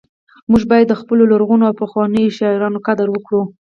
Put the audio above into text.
موږ باید د خپلو لرغونو او پخوانیو شاعرانو قدر وکړو